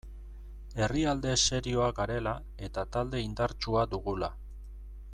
Herrialde serioa garela eta talde indartsua dugula.